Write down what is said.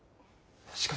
しかし。